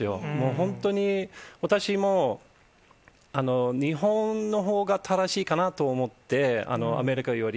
本当に私も、日本のほうが正しいかなと思って、アメリカより。